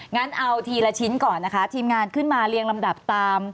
งั้นเอาทีละชิ้นก่อนนะคะทีมงานขึ้นมาเรียงลำดับตาม